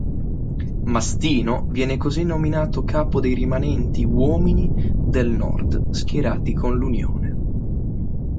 Mastino viene così nominato capo dei rimanenti uomini del nord schierati con l'Unione.